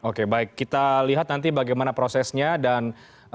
oke baik kita lihat nanti bagaimana prosesnya dan